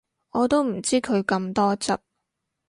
我都唔知佢咁多汁